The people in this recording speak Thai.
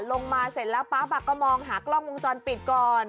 ลงมาเสร็จแล้วปั๊บก็มองหากล้องวงจรปิดก่อน